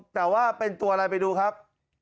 แต่ว่าเป็นตัวอะไรไปดูครับ